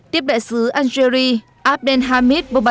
tiếp đại sứ algeri abdelhamid bordel